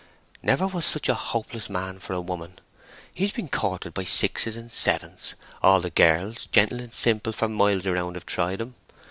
"Never was such a hopeless man for a woman! He's been courted by sixes and sevens—all the girls, gentle and simple, for miles round, have tried him.